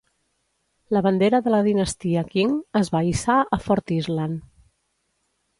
La bandera de la Dinastia Qing es va hissar a Fort Island.